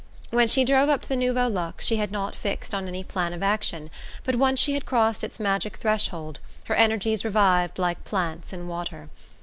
When she drove up to the Nouveau Luxe she had not fixed on any plan of action; but once she had crossed its magic threshold her energies revived like plants in water.